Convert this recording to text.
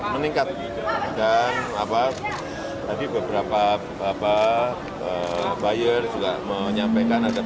meningkat dan beberapa buyer juga menyampaikan peningkatan